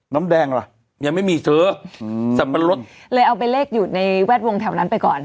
น้ำแดงล่ะยังไม่มีเธออืมสับปะรดเลยเอาไปเลขอยู่ในแวดวงแถวนั้นไปก่อน